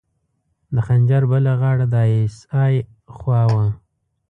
د خنجر بله غاړه د ای اس ای خوا وه.